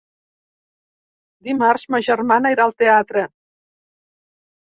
Dimarts ma germana irà al teatre.